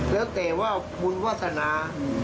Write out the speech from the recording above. แล้วแต่ว่าบุญวาสนา